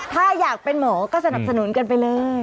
ถ้าอยากเป็นหมอก็สนับสนุนกันไปเลย